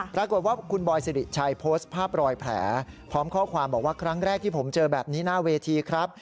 ปรากฏว่าคุณบอยสิริชัยโพสต์ภาพรอยแผลพร้อมข้อความบอกว่าครั้งแรกที่ผมเจอแบบนี้หน้าเวทีครับ